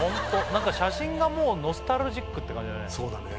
写真がもうノスタルジックって感じだね